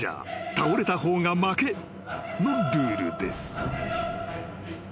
［倒れた方が負けのルールです］